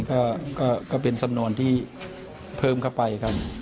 ก็เป็นสำนวนที่เพิ่มเข้าไปครับ